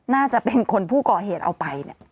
น่าจะเป็นคนผู้ก่อเหตุเอาไปเนี่ย